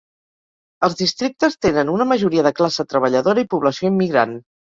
Els districtes tenen una majoria de classe treballadora i població immigrant.